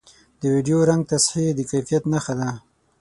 د ویډیو رنګ تصحیح د کیفیت نښه ده